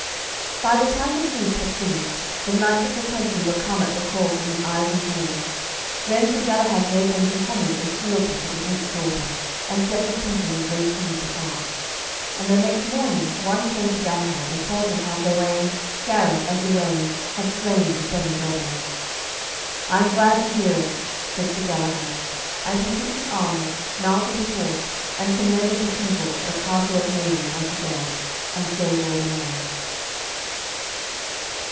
By the time the priest had finished, the knights of the country were come at the call from the ivory horn. Then Sir Galahad made them do homage and fealty to the duke's daughter, and set the people in great ease of heart. And the next morning one came to Galahad and told him how Gawaine, Gareth, and Uwaine had slain the seven brethren. "I am glad to hear it," said Sir Galahad, and he took his armour, mounted his horse, and commended the people of the Castle of Maidens unto God, and so rode away.